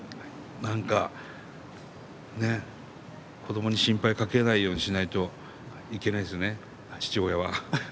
なんか、ね、子どもに心配かけないようにしないといけないですよね、父親は。